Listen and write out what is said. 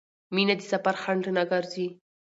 مینه د سفر خنډ نه ګرځي.